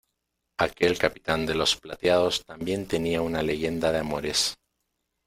aquel capitán de los plateados también tenía una leyenda de amores.